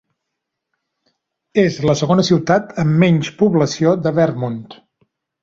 És la segona ciutat amb menys població de Vermont.